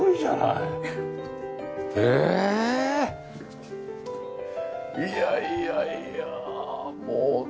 いやいやいやもう。